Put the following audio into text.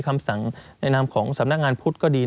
คำสั่งในนามของสำนักงานพุทธก็ดี